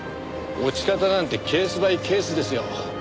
落ち方なんてケース・バイ・ケースですよ。